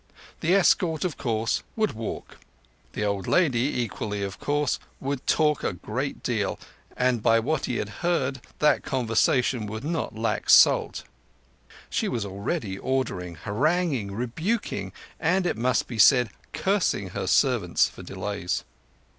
The escort, of course, would walk. The old lady, equally of course, would talk a great deal, and by what he had heard that conversation would not lack salt. She was already ordering, haranguing, rebuking, and, it must be said, cursing her servants for delays.